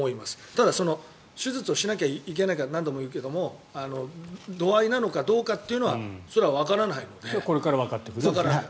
ただ、手術をしなきゃいけないから何度も言うけど度合いなのかどうかというのはそれはわからないので。